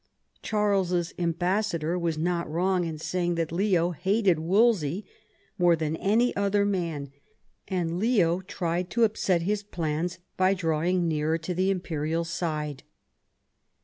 Charles'lB ambassador was not wrong in saying that Leo hated Wolsey more than any other man ; and Leo tried to upset his plans by drawing nearer to the imperial side.